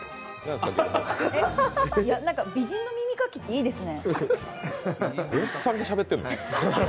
何か、美人の耳かきっていいですね。